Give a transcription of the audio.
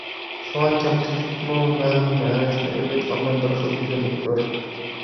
شۇڭا كەمتۈكلۈكمۇ مەلۇم مەنىدىن ئېلىپ ئېيتقاندا بىر خىل گۈزەللىكتۇر.